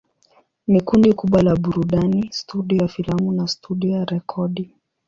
Ni kundi kubwa la burudani, studio ya filamu na studio ya rekodi.